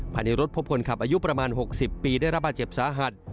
ภายในรถพบคนขับอายุประมาณ๖๐ปีได้รับบาดเจ็บสาหัส